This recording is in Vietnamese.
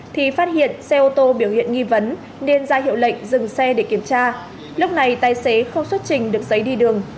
thì phát hiện xe ô tô biểu hiện nghi vấn nên ra hiệu lệnh dừng xe để kiểm tra lúc này tài xế không xuất trình được giấy đi đường